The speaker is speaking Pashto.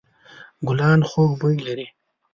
ګلان خوږ بوی لري.